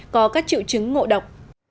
có các triệu chứng ngộ độc